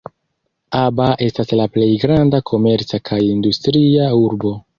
Aba estas la plej granda komerca kaj industria urbo.